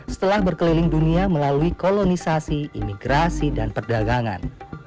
setelah berkeliling dunia melalui kolonisasi imigrasi dan perdagangan